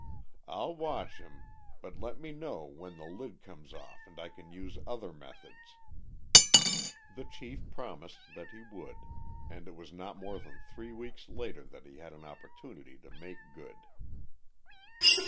"I'll watch him, but let me know when the lid comes off and I can use other methods." The chief promised that he would and it was not more than three weeks later that he had an opportunity to make good.